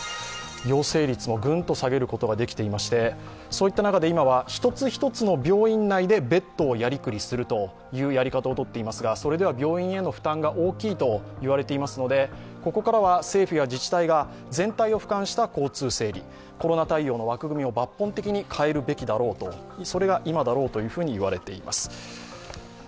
陽性率もぐんと下げることができていまして、そういった中で今は、一つ一つの病院内でベッドをやり繰りするというやり方をとっていますがそれでは病院への負担が大きいといわれていますので、ここからは政府や自治体が全体をふかんした交通整理、コロナ対応の枠組みを抜本的に変えるべきだろうと、それが今だろうと言われています。